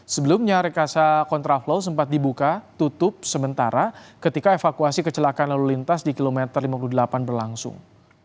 sebelumnya rekasa kontraflow sempat dibuka tutup sementara ketika evakuasi kecelakaan lalu lintas di kilometer lima puluh delapan berlangsung